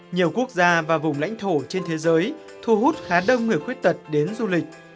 nhiều quốc gia và vùng lãnh thổ trên thế giới thu hút khá đông người khuyết tật đến du lịch